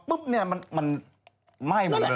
ปุ๊บแม่หมดเลย